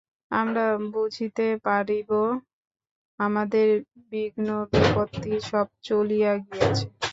আমরা বুঝিতে পারিব, আমাদের বিঘ্নবিপত্তি সব চলিয়া গিয়াছে।